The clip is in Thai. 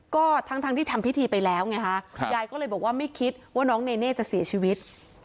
ก็ทั้งที่ทำพิธีไปแล้วไงฮะยายก็เลยบอกว่าไม่คิดว่าน้องเนเน่จะเสียชีวิต